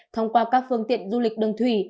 thông qua các phương tiện du lịch đường thủy